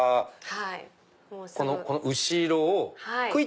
この後ろをくい！